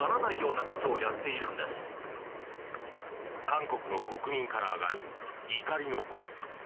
韓国の国民から上がる怒りの声。